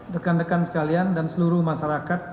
dekan dekan sekalian dan seluruh masyarakat